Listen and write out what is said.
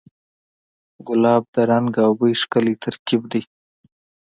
ګلاب د رنګ او بوی ښکلی ترکیب دی.